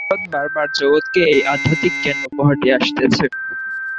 ভারত বার বার জগৎকে এই আধ্যাত্মিক জ্ঞান উপহার দিয়া আসিতেছে।